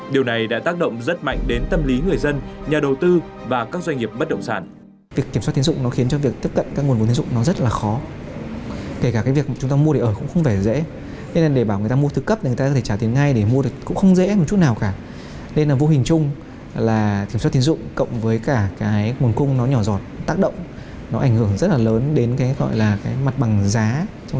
điều này đã tác động rất mạnh đến tâm lý người dân nhà đầu tư